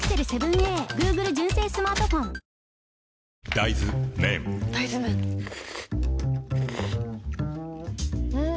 大豆麺ん？